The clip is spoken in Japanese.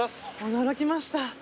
驚きました。